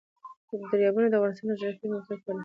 دریابونه د افغانستان د جغرافیایي موقیعت پایله ده.